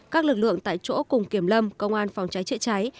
các lực lượng tại chỗ cùng kiểm lâm công an phòng cháy chữa cháy